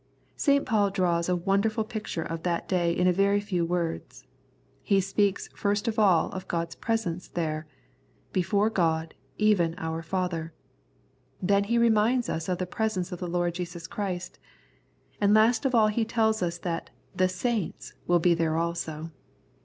St. Paul draws a wonderful picture of that day in a very few words. He speaks first of all of God's presence there :" Before God, even our Father." Then he reminds us of the presence of the Lord Jesus Christ. And last of all he tells us that " the saints " will be there also.